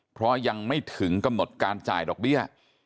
เพราะยังไม่ถึงกำหนดการจ่ายดอกเบี้ย